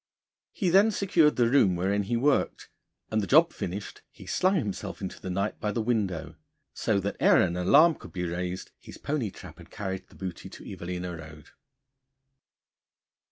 He then secured the room wherein he worked, and the job finished, he slung himself into the night by the window, so that, ere an alarm could be raised, his pony trap had carried the booty to Evelina Road.